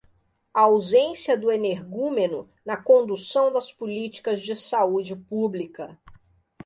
A ausência do energúmeno na condução das políticas de saúde pública